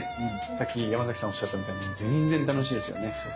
さっきヤマザキさんおっしゃったみたいに全然楽しいですよね。